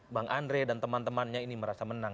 bang andre dan teman temannya ini merasa menang